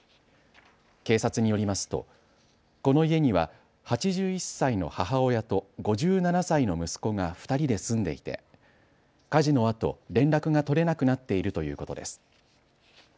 警察によりますとこの家には８１歳の母親と５７歳の息子が２人で住んでいて火事のあと連絡が取れなくなっているということです。